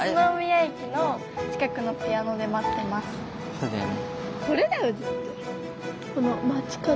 そうだよね。